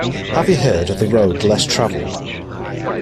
Have you heard of The Road Less Travelled?